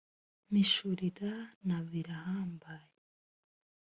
Mpishurira na Birahambaye …